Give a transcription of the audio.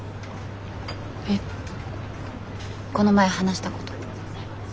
この前話したこと。